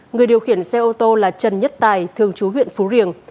người điều khiển xe ô tô là trần nhất tài thường chú huyện phú riềng